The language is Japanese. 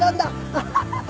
アハハハ！